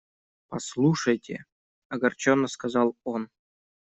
– Послушайте! – огорченно сказал он.